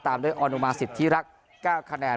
ตามด้วยออนุมาสิทธิรักษ์๙คะแนน